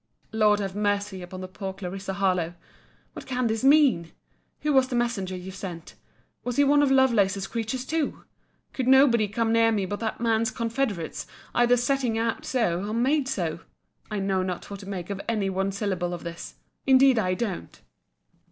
Lord have mercy upon the poor Clarissa Harlowe! What can this mean!—Who was the messenger you sent? Was he one of Lovelace's creatures too!—Could nobody come near me but that man's confederates, either setting out so, or made so? I know not what to make of any one syllable of this! Indeed I don't.